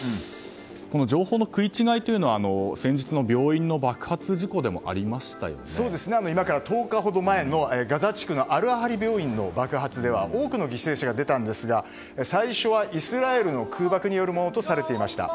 この情報の食い違いというのは先日の病院の爆発事故でも今から１０日ほど前のガザ地区のアル・アハリ病院の爆発では多くの犠牲者が出たんですが最初はイスラエルの空爆によるものとされていました。